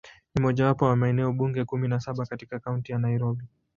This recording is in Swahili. Ni mojawapo wa maeneo bunge kumi na saba katika Kaunti ya Nairobi.